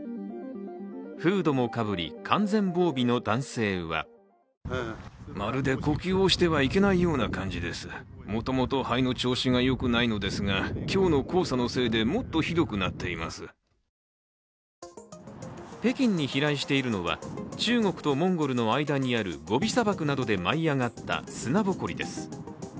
フードもかぶり完全防備の男性は北京に飛来しているのは、中国とモンゴルの間にあるゴビ砂漠などで舞い上がった砂ぼこりです。